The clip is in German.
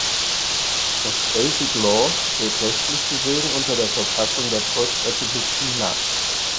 Das Basic Law steht rechtlich gesehen unter der Verfassung der Volksrepublik China.